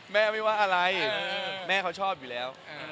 แม่ไม่ว่าอะไรแม่เขาชอบอยู่แล้ว